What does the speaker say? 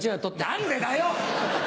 何でだよ！